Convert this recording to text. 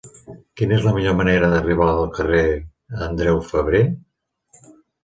Quina és la millor manera d'arribar al carrer d'Andreu Febrer?